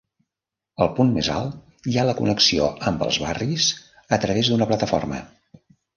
Al punt més alt hi ha la connexió amb els barris a través d'una plataforma.